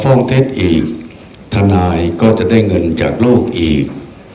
่งเท็จอีกทนายก็จะได้เงินจากลูกอีก